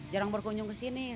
jarang berkunjung ke sini